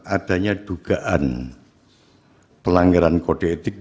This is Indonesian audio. adanya dugaan pelanggaran kode etik